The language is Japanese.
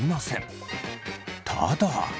ただ。